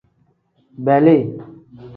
Beli.